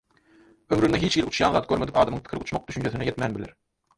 Ömründe hiçhili uçýan zat görmedik adamyň pikiri uçmak düşünjesine ýetmän biler.